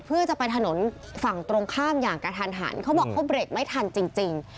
เพื่อจะไปถนนฝั่งตรงข้ามอย่างกระทันหันเขาบอกเขาเบรกไม่ทันจริง